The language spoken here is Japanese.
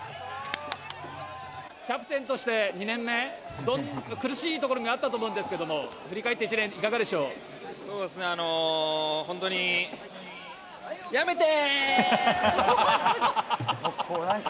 キャプテンとして２年目、苦しいところもあったと思うんですけれども、振り返って１年、そうですね、本当に、やめて！